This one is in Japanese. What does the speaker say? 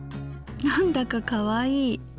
なんだかかわいい。